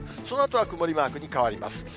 そのあとは曇りマークに変わります。